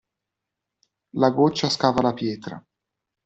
La goccia scava la pietra.